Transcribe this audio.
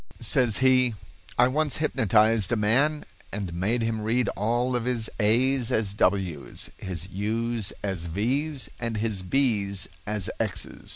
Says he: "I once hypnotized a man and made him read all of his a's as w's, his u's as v's, and his b's as x's.